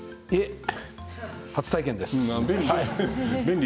初体験です。